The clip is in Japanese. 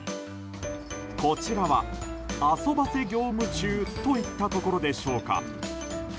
こちらは遊ばせ業務中といったところでしょうか。